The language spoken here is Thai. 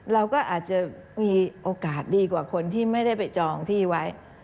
เราก็อาจจะมีโอกาสดีกว่าคนที่ไม่ได้ไปจองที่ไว้